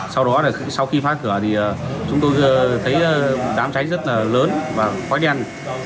sau đó sau khi phát cửa thì chúng tôi thấy đám cháy rất là lớn và khói đen